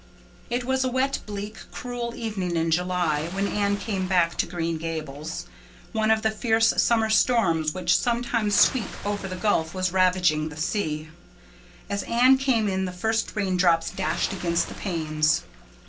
It was a wet, bleak, cruel evening in July when Anne came back to Green Gables. One of the fierce summer storms which sometimes sweep over the gulf was ravaging the sea. As Anne came in the first raindrops dashed against the panes.